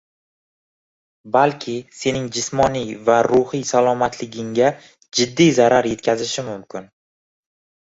balki sening jismoniy va ruhiy salomatligingga jiddiy zarar yetkazishi mumkin